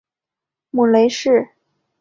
母雷氏。